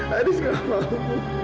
haris tidak mau